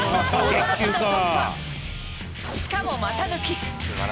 しかも股抜き。